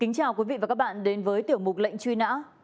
kính chào quý vị và các bạn đến với tiểu mục lệnh truy nãm